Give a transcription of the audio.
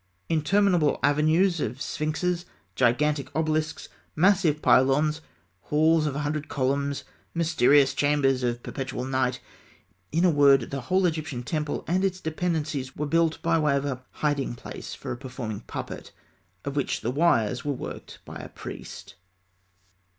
Interminable avenues of sphinxes, gigantic obelisks, massive pylons, halls of a hundred columns, mysterious chambers of perpetual night in a word, the whole Egyptian temple and its dependencies were built by way of a hiding place for a performing puppet, of which the wires were worked by a priest.